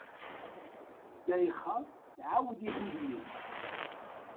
Ddayxa tɛawed i wudem-is.